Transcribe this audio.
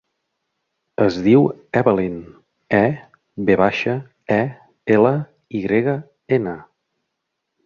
Es diu Evelyn: e, ve baixa, e, ela, i grega, ena.